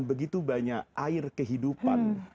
begitu banyak air kehidupan